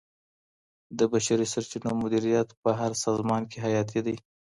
د بشري سرچینو مدیریت په هر سازمان کي حیاتي دی.